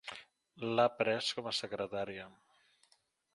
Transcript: L'ha pres com a secretària.